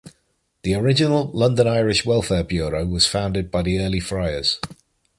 The original London Irish Welfare Bureau was founded by the early friars.